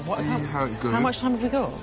はい。